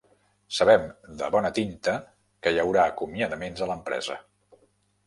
Sabem de bona tinta que hi haurà acomiadaments a l'empresa.